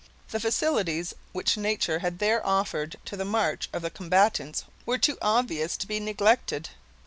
The facilities which nature had there offered to the march of the combatants were too obvious to be neglected.